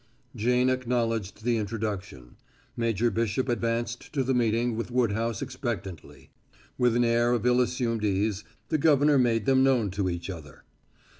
Jane acknowledged the introduction. Major Bishop advanced to the meeting with Woodhouse expectantly. With an air of ill assumed ease, the governor made them known to each other.